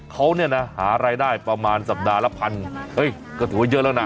เขาเนี่ยนะหารายได้ประมาณสัปดาห์ละพันเฮ้ยก็ถือว่าเยอะแล้วนะ